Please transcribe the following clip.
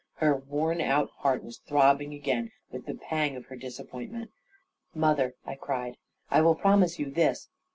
Her worn out heart was throbbing again, with the pang of her disappointment. "Mother," I cried, "I will promise you this.